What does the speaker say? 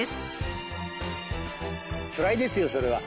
つらいですよそれは。